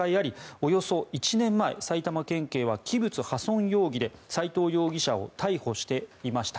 およそ１年前、埼玉県警は器物損壊容疑で斎藤容疑者を逮捕していました。